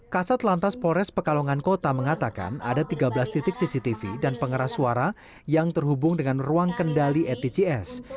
kasat lantas polres pekalongan kota mengatakan ada tiga belas titik cctv dan pengeras suara yang terhubung dengan ruang kendali atcs